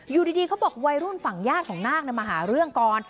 อยู่ดีเขาบอกวัยรุ่นฝั่งญาติของนาคมาหาเรื่องก่อน